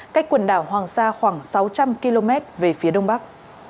cách quần đảo hoàng sa khoảng sáu trăm linh km về phía đông bắc